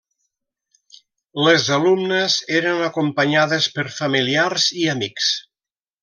Les alumnes eren acompanyades per familiars i amics.